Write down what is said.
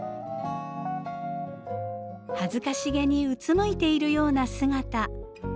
恥ずかしげにうつむいているような姿。